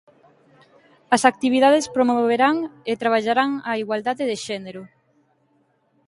As actividades promoverán e traballarán a igualdade de xénero.